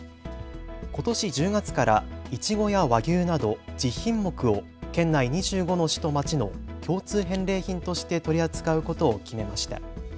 ことし１０月からイチゴや和牛など１０品目を県内２５の市と町の共通返礼品として取り扱うことを決めました。